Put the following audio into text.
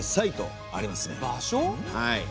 はい。